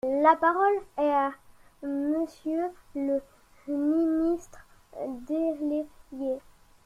La parole est à Monsieur le ministre délégué.